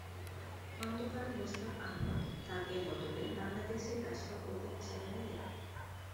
খোন্দকার মোস্তাক আহমদ তাকে বদলে বাংলাদেশের রাষ্ট্রপতি হিসাবে নিলেন।